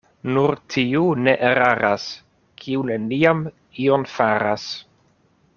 Nur tiu ne eraras, kiu neniam ion faras.